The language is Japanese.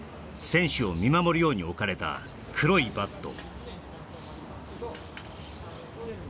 選手を見守るように置かれた黒いバット